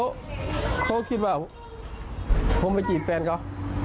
เขาคิดว่าผมไปจีบแฟนเขา